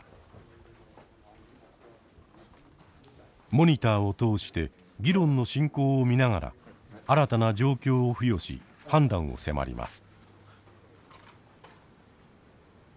モニターを通して議論の進行を見ながら新たな状況を付与し判断を迫ります。